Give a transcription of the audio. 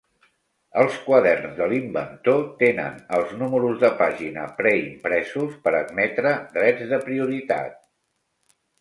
Els quaderns de l'inventor tenen els números de pàgina preimpresos per admetre drets de prioritat.